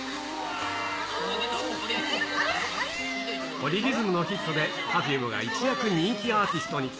ポリリズムのヒットで、Ｐｅｒｆｕｍｅが一躍人気アーティストに。